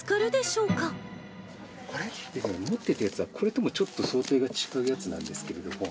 持っていたやつは、これともちょっと装丁が違うやつなんですけれども。